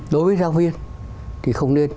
đối với giáo viên thì không nên